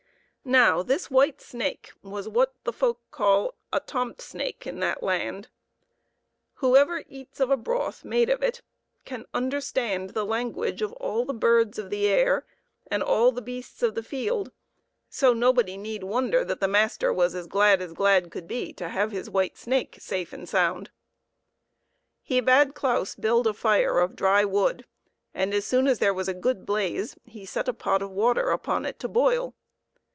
Now this white snake was what the folk call a tomt snake in that land. Whoever eats of a broth made of it can understand the language of all the birds of the air and all the beasts of the field; so nobody need wonder that the master was as glad as glad could be to have his white snake safe and sound. He bade Claus build a fire of dry wood, and as soon as there was a good blaze he set a pot of water upon it to boil.